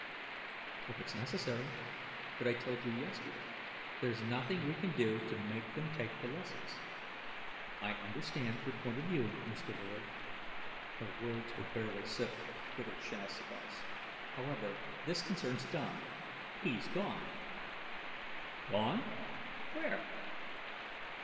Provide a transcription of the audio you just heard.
"If it's necessary. But I told you yesterday, there's nothing we can do to make them take the lessons." "I understand your point of view, Mr. Lord." Her words were barely civil, brittle shafts of ice. "However, this concerns Don; he's gone." "Gone? Where?"